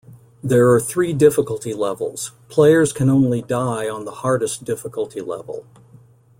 There are three difficulty levels; players can only "die" on the hardest difficulty level.